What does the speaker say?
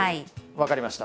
分かりました。